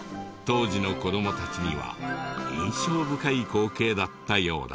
当時の子どもたちには印象深い光景だったようだ。